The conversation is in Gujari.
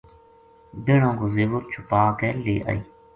بہناں کو زیور چھُپا کے لے آئی